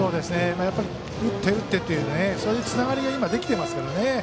打って打ってというそういうつながりが今できていますからね。